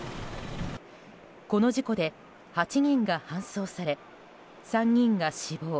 この事故で８人が搬送され３人が死亡。